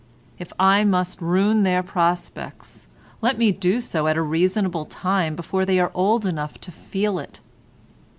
If I must ruin their prospects, let me do so at a reasonable time before they are old enough to feel it."